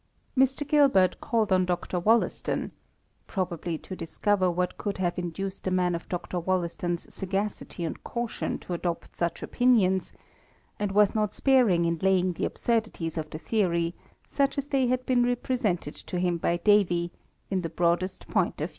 Mr. Gilbert called on Dr. Wollaston (probably to discover what could have induced a man of Dr. Wollaston's sagacity and caution to adopt such opinions), and was not sparing in laying the absurdities of the theory, such as they had been represented to him by Davy, in the broadest point of view.